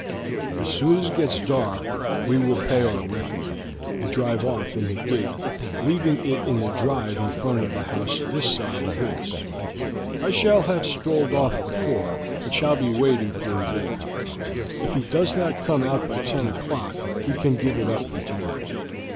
As soon as it gets dark we will pay our reckoning, and drive off in the gig, leaving it in the drive in front of the house this side of his. I shall have strolled off before, and shall be waiting for you there. If he does not come out by ten o'clock we can give it up for tonight.